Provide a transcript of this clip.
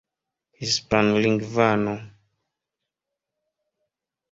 hispanlingvano